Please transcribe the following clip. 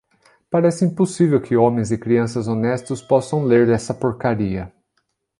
Parece impossível que homens e crianças honestos possam ler essa porcaria.